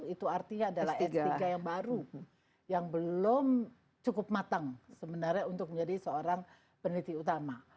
itu artinya adalah s tiga yang baru yang belum cukup matang sebenarnya untuk menjadi seorang peneliti utama